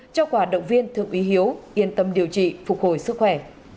cho quả động viên thượng úy hiếu yên tâm điều trị phục hồi sức khỏe